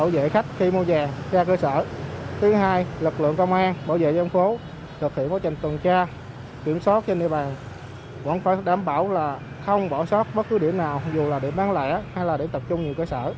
đảm bảo là không bỏ sót bất cứ điểm nào dù là điểm bán lẻ hay là điểm tập trung nhiều cơ sở